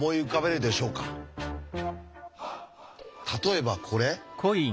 例えばこれ？